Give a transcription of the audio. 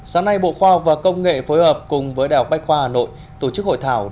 sáng nay bộ khoa học và công nghệ phối hợp cùng với đại học bách khoa hà nội tổ chức hội thảo